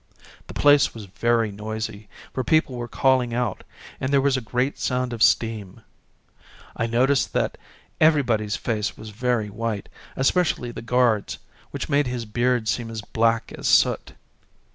The place was very noisy, for people were calling out, and there was a great sound of steam. I noticed that every body's face was very white, especially the guard's, which made his beard seem as black as soot.